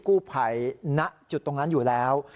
กู้ภัยณจุดตรงนั้นอยู่แล้ว